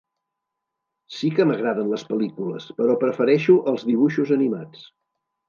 Sí que m'agraden les pel·lícules, però prefereixo els dibuixos animats.